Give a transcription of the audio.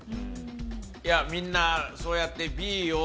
みんなそうやって。